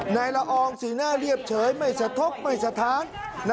ละอองสีหน้าเรียบเฉยไม่สะทกไม่สถาน